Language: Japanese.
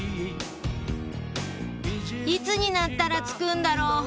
「いつになったら着くんだろう？」